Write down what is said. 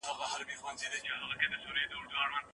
په خرڅ کې اسراف مه کوئ.